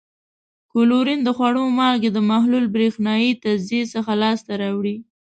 کلورین د خوړو مالګې د محلول برېښنايي تجزیې څخه لاس ته راوړي.